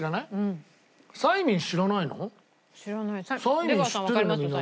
サイミン知ってるよね？